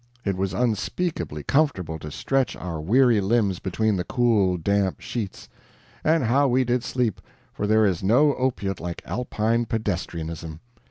It was unspeakably comfortable to stretch our weary limbs between the cool, damp sheets. And how we did sleep! for there is no opiate like Alpine pedestrianism.